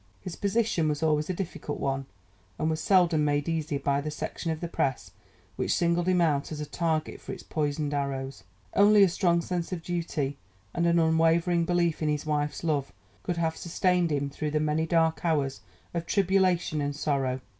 His position was always a difficult one and was seldom made easier by the section of the Press which singled him out as a target for its poisoned arrows. Only a strong sense of duty and an unwavering belief in his wife's love could have sustained him through the many dark hours of tribulation and sorrow.